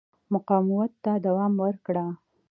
مقاومت ته دوام ورکړ.